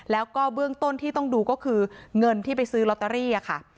แล้วก็เบื้องต้นที่ต้องดูก็คือเงินที่ไปซื้อลอตเตอรี่ค่ะ